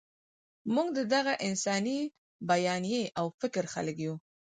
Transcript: موږ د دغه انساني بیانیې او فکر خلک یو.